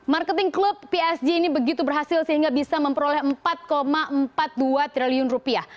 marketing klub psg ini begitu berhasil sehingga bisa memperoleh empat empat puluh dua triliun rupiah